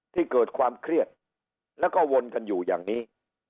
ที่เกิดความเครียดแล้วก็วนกันอยู่อย่างนี้